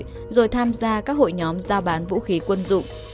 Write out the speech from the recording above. rồi tham gia các hội nhóm giao bán vũ khí quân dụng